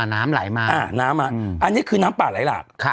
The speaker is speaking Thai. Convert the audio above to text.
น้ำไหลมาอันนี้คือน้ำป่าไหล่หลัก